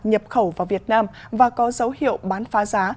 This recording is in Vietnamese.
nhập khẩu vào việt nam và có dấu hiệu bán phá giá